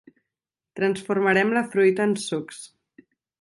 Transformarem la fruita en sucs.